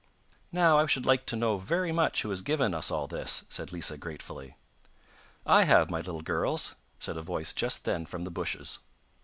'Now I should like to know very much who has given us all this,' said Lisa gratefully. 'I have, my little girls,' said a voice just then from the bushes.